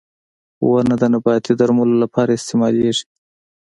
• ونه د نباتي درملو لپاره استعمالېږي.